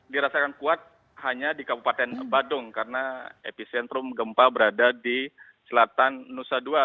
dirasakan kuat hanya di kabupaten badung karena epicentrum gempa berada di selatan nusa dua